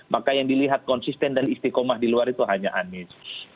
maka yang dilihat konsisten dan istiqomah di luar itu hanya anies